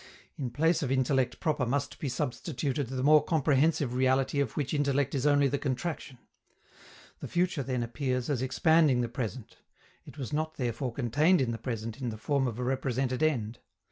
In place of intellect proper must be substituted the more comprehensive reality of which intellect is only the contraction. The future then appears as expanding the present: it was not, therefore, contained in the present in the form of a represented end.